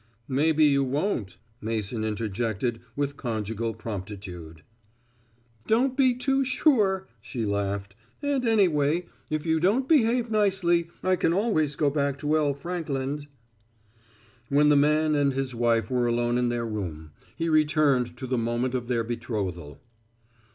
"Maybe you won't," Mason interjected with conjugal promptitude. "Don't be too sure," she laughed, "and anyway, if you don't behave nicely I can always go back to L. Frankland." When the man and his wife were alone in their room he returned to the moment of their betrothal.